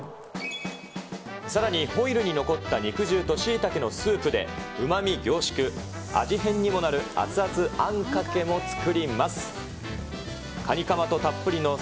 さらにホイルに残った肉汁としいたけのスープで、うまみ凝縮、味変にもなる熱々あんかけも作ります。